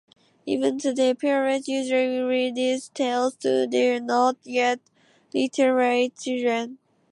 Even today, parents usually read these tales to their not-yet-literate children.